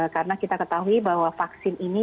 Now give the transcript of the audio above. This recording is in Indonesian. karena kita ketahui bahwa vaksin ini